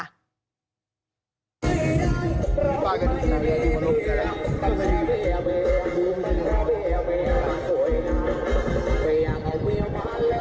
มันกลัวมันกลัวมันกลัวมันกลัวมันกลัว